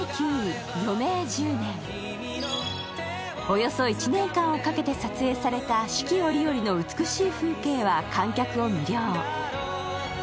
およそ１年間をかけて撮影された四季折々の美しい風景は観客を魅了。